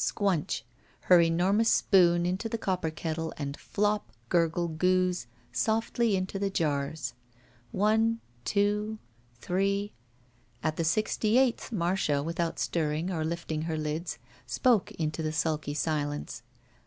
Squnch ! Her enormous spoon into the copper kettle and flop, gurgle, gooze, softly into the jars. One — two — ^three — At the sixty eighth, Marcia, without stirring or lifting her lids, spoke into the sud^ silence.